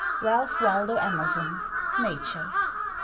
—Ralph Waldo Emerson, "Nature."